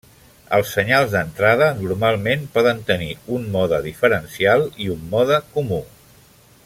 Els senyals d'entrada normalment poden tenir un mode diferencial i un mode comú.